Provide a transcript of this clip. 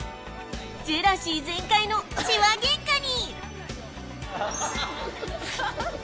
ジェラシー全開の痴話ゲンカに！